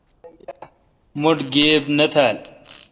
مٹھ گیب نہ تھال۔